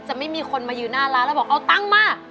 ไม่มีคนมายืนหน้าร้านแล้วบอกเอาตังค์มา